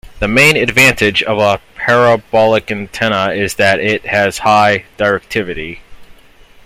The main advantage of a parabolic antenna is that it has high directivity.